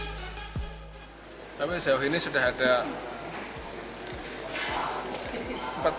tapi sejauh ini sudah ada